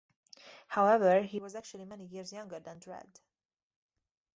However he was actually many years younger than Dredd.